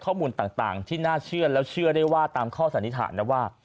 ข้อมูลต่างที่น่าเชื่อแล้วเชื่อได้ว่าตามข้อสันนิษฐานนะว่า